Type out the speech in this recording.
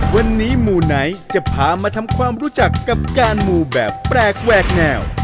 วันนี้หมู่ไหนจะพามาทำความรู้จักกับการหมู่แบบแปลกแหวกแนว